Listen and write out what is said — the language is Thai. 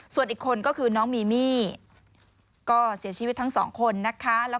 ส่วนอีกคนก็คือน้องมีมี่ก็เสียชีวิตทั้งสองคนนะคะ